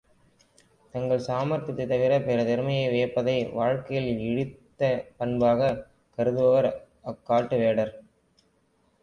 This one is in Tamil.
தங்கள் சாமர்த்தியத்தைத் தவிரப் பிறர் திறமையை வியப்பதை வாழ்க்கையில் இழிந்த பண்பாகக் கருதுபவர் அக் காட்டு வேடர்.